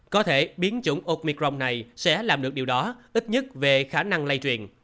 có thể biến chủng opicron này sẽ làm được điều đó ít nhất về khả năng lây truyền